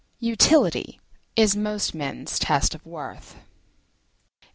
Utility is most men's test of worth.